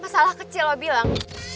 masalah kecil lo bilang